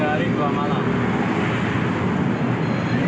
tiga hari dua malam